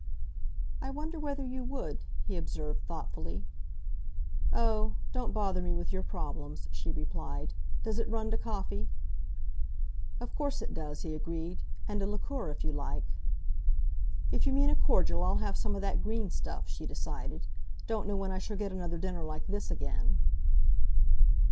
"I wonder whether you would?" he observed thoughtfully. "Oh! don't bother me with your problems," she replied. "Does it run to coffee?" "Of course it does," he agreed, "and a liqueur, if you like." "If you mean a cordial, I'll have some of that green stuff," she decided. "Don't know when I shall get another dinner like this again."